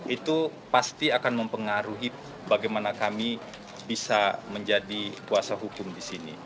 itu pasti akan mempengaruhi bagaimana kami bisa menjadi kuasa hukum di sini